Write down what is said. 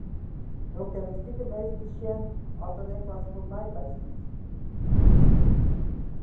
No kin ik stikem efkes sjen oft der ek wat foar my by stiet.